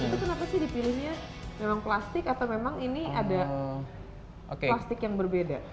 itu kenapa sih dipilihnya memang plastik atau memang ini ada plastik yang berbeda